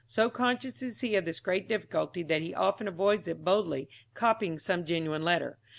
So conscious is he of this great difficulty that he often avoids it by boldly copying some genuine letter.